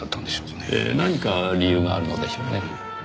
何か理由があるのでしょうね。